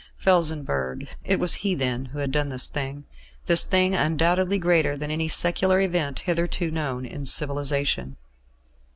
Felsenburgh it was he then who had done this thing this thing undoubtedly greater than any secular event hitherto known in civilisation.